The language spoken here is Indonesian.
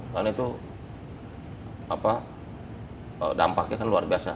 karena itu dampaknya kan luar biasa